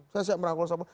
saya siap merangkul siapapun